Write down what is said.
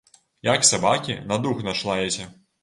Як сабакі, на дух наш лаеце.